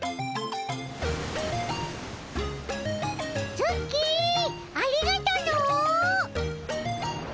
ツッキーありがとの。